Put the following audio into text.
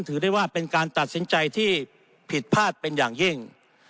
ถือได้ว่าเป็นการตัดสินใจที่ผิดพลาดเป็นอย่างยิ่ง